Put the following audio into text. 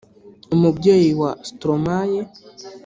umubyeyi wa Stromae